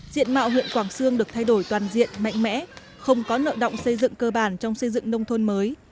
diện mạo huyện quảng sương được thay đổi toàn diện mạnh mẽ không có nợ động xây dựng cơ bản trong xây dựng nông thôn mới